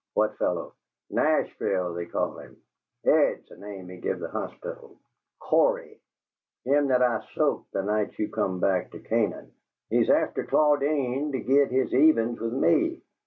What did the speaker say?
"What fellow?" "'Nashville' they call him; Ed's the name he give the hospital: Cory him that I soaked the night you come back to Canaan. He's after Claudine to git his evens with me.